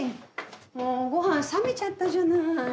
もうご飯冷めちゃったじゃない。